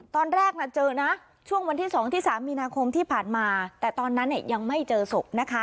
ตอนแรกเจอนะช่วงวันที่๒ที่๓มีนาคมที่ผ่านมาแต่ตอนนั้นยังไม่เจอศพนะคะ